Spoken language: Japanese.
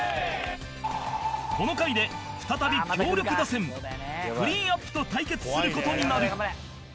この回で再び強力打線クリーンアップと対決する事になる